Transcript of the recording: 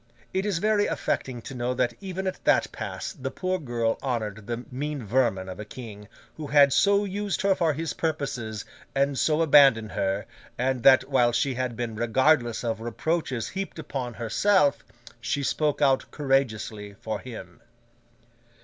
It is very affecting to know that even at that pass the poor girl honoured the mean vermin of a King, who had so used her for his purposes and so abandoned her; and, that while she had been regardless of reproaches heaped upon herself, she spoke out courageously for him.